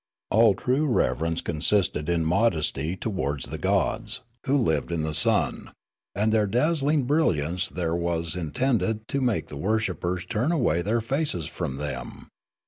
All true reverence consisted in modest}' towards the gods, who lived in the sun ; and their dazzling brilliance there was intended to make the worshippers turn away their faces from them.